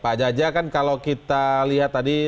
pak jaja kan kalau kita lihat tadi